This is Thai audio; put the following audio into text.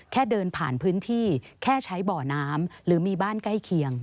เดินผ่านพื้นที่แค่ใช้บ่อน้ำหรือมีบ้านใกล้เคียง